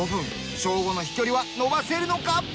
ショーゴの飛距離は伸ばせるのか？